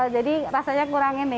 jadi rasanya kurangin